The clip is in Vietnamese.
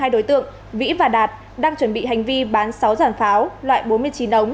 hai đối tượng vĩ và đạt đang chuẩn bị hành vi bán sáu giàn pháo loại bốn mươi chín ống